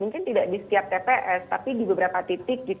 mungkin tidak di setiap tps tapi di beberapa titik